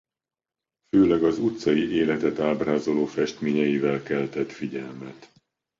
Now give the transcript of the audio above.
Főleg az utcai életet ábrázoló festményeivel keltett figyelmet.